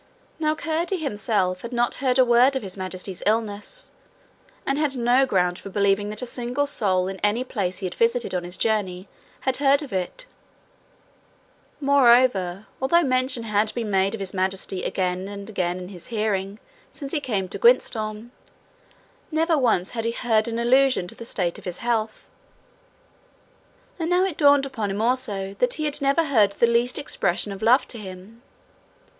Now Curdie himself had not heard a word of His Majesty's illness, and had no ground for believing that a single soul in any place he had visited on his journey had heard of it. Moreover, although mention had been made of His Majesty again and again in his hearing since he came to Gwyntystorm, never once had he heard an allusion to the state of his health. And now it dawned upon him also that he had never heard the least expression of love to him.